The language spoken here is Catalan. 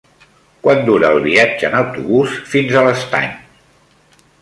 Quant dura el viatge en autobús fins a l'Estany?